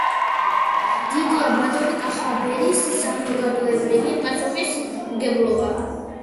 დიდია ბატონი კახაბერის საზოგადოებრივი პასუხისმგებლობა